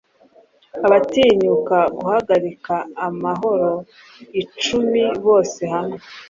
Abatinyuka guhagarika amahoro icumi bose hamwe